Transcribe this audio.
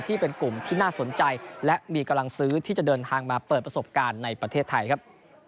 ที่เป็นกลุ่มที่น่าสนใจและมีกำลังซื้อที่จะเดินทางมาเปิดประสบการณ์ในประเทศไทยครับ